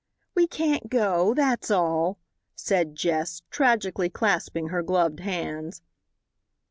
"We can't go, that's all," said Jess, tragically clasping her gloved hands.